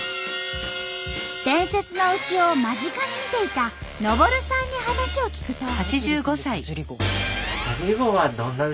伝説の牛を間近に見ていた昇さんに話を聞くと。